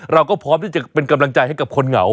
เราก็พร้อมที่จะเป็นกำลังใจให้กับคนเหงา